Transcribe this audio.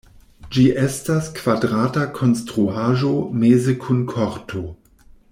Ĝi estas kvadrata konstruaĵo meze kun korto.